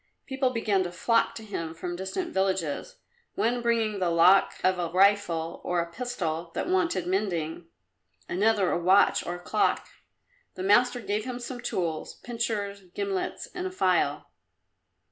People began to flock to him from distant villages, one bringing the lock of a rifle or a pistol that wanted mending; another a watch or a clock. The master gave him some tools pincers, gimlets and a file.